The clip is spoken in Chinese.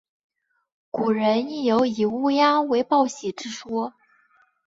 古人亦有以乌鸦为报喜之说。